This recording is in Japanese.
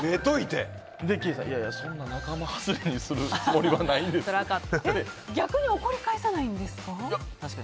そんな仲間外れにするつもりは逆に怒り返さないんですか？